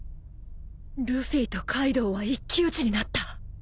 ルフィとカイドウは一騎打ちになった。